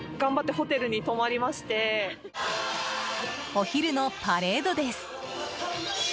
お昼のパレードです。